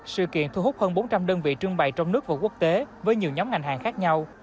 sự kiện thu hút hơn bốn trăm linh đơn vị trưng bày trong nước và quốc tế với nhiều nhóm ngành hàng khác nhau